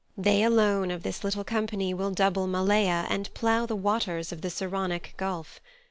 They alone of this little company will double Malea and plough the waters of the Saronic gulf.